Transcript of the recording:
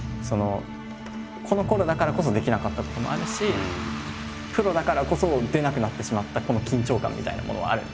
このころだからこそできなかったこともあるしプロだからこそ出なくなってしまったこの緊張感みたいなものもあるんですよね。